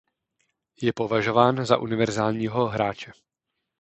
Je považován za univerzálního hráče.